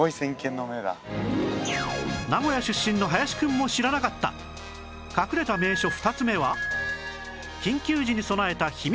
名古屋出身の林くんも知らなかった隠れた名所２つ目は